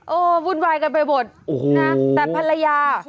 วุ่นวายกันไปหมดนะแต่ภรรยา